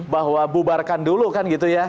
bahwa bubarkan dulu kan gitu ya